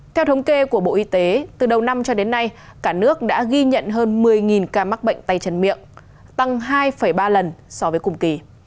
theo thống kê của bộ y tế từ đầu năm cho đến nay cả nước đã ghi nhận hơn một mươi ca mắc bệnh tay chân miệng tăng hai ba lần so với cùng kỳ